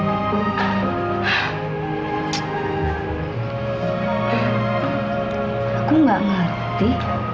aku nggak ngerti